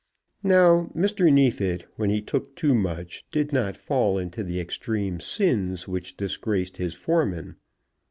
Now Mr. Neefit, when he took too much, did not fall into the extreme sins which disgraced his foreman.